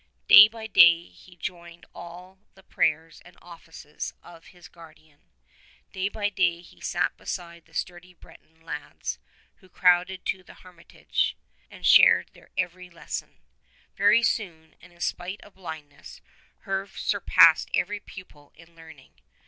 Day by day he joined in all the prayers and offices of his guardian. Day by day he sat beside the sturdy Breton lads who crowded to the hermitage and shared their every les 102 son. Very soon, and in spite of his blindness, Herve sur passed every pupil in learning.